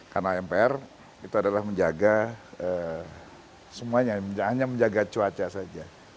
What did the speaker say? karena mpr itu adalah menjaga semuanya hanya menjaga cuaca saja